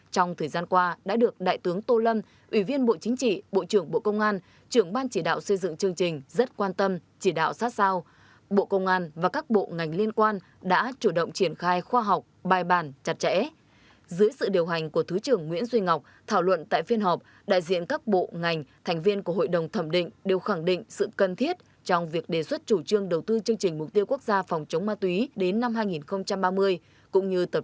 thượng tướng nguyễn duy ngọc ủy viên trung ương đảng thứ trưởng bộ công an chủ tịch hội đồng thẩm định báo cáo đề xuất chủ trương đầu tư chương trình mục tiêu quốc gia phòng chống ma túy đến năm hai nghìn ba mươi chủ trương đầu tư chương trình mục tiêu quốc gia phòng chống ma túy đến năm hai nghìn ba mươi